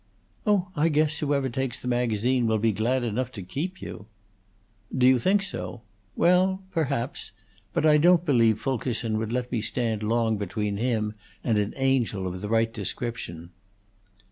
"Oh, I guess whoever takes the magazine will be glad enough to keep you!" "Do you think so? Well, perhaps. But I don't believe Fulkerson would let me stand long between him and an Angel of the right description."